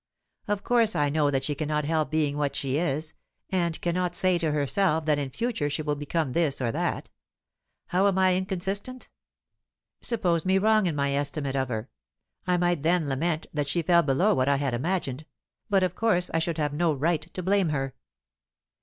Of course I know that she cannot help being what she is, and cannot say to herself that in future she will become this or that. How am I inconsistent? Suppose me wrong in my estimate of her. I might then lament that she fell below what I had imagined, but of course I should have no right to blame her."